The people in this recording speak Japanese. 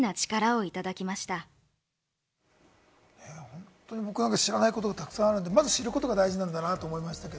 本当に僕なんか知らないことがたくさんあるので、知ることが大事だなと思いました。